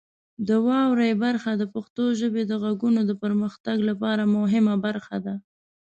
د واورئ برخه د پښتو ژبې د غږونو د پرمختګ لپاره مهمه برخه ده.